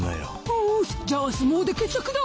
おしじゃあ相撲で決着だ！